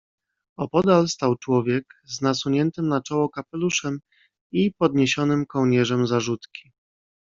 "Opodal stał człowiek z nasuniętym na czoło kapeluszem i podniesionym kołnierzem zarzutki."